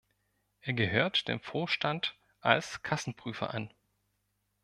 Er gehört dem Vorstand als Kassenprüfer an.